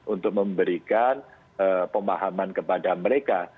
untuk memberikan pemahaman kepada mereka